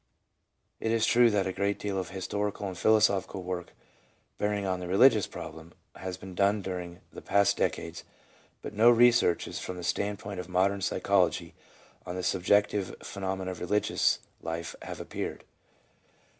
It is true that a great deal of historical and philosophical work bearing on the religious problem has been done during the past decades, but no researches, from the standpoint of modern psychology, on the subjective phenomena of religious life have appeared.